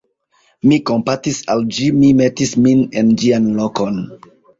mi kompatis al ĝi, mi metis min en ĝian lokon.